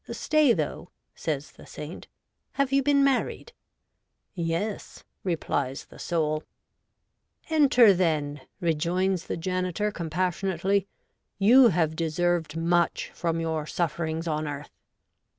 ! Stay, though,' says the saint ;' have you been married ?'' Yes,' replies the soul. ' Enter, then,' rejoins the janitor, compassionately ;' you have deserved much from your sufferings on earth